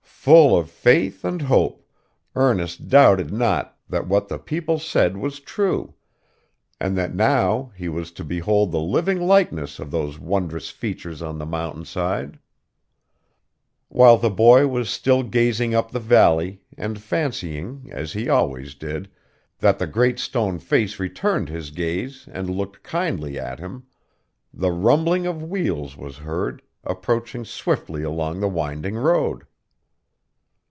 Full of faith and hope, Ernest doubted not that what the people said was true, and that now he was to behold the living likeness of those wondrous features on the mountainside. While the boy was still gazing up the valley, and fancying, as he always did, that the Great Stone Face returned his gaze and looked kindly at him, the rumbling of wheels was heard, approaching swiftly along the winding road.